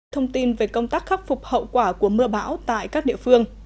thông tin về công tác khắc phục hậu quả của mưa bão tại các địa phương